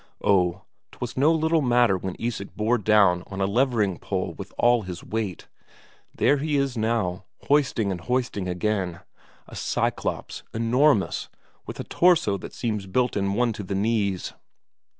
Oh, 'twas no little matter when Isak bore down on a levering pole with all his weight. There he is now, hoisting and hoisting again, a Cyclop, enormous, with a torso that seems built in one to the knees.